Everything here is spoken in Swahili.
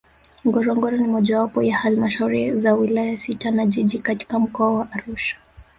Ngorongoro ni mojawapo ya Halmashauri za Wilaya sita na Jiji katika Mkoa wa Arusha